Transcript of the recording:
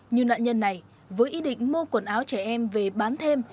như nạn nhân này với ý định mua quần áo trẻ em về bán thêm